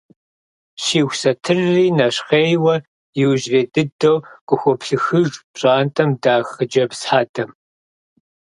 Щиху сатырри нэщхъейуэ иужьрей дыдэу къыхуоплъыхыж пщӏантӏэм дах хъыджэбз хьэдэм.